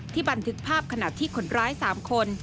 บันทึกภาพขณะที่คนร้าย๓คน